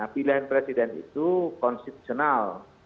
pilihan presiden itu konsistional